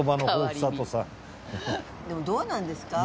でもどうなんですか？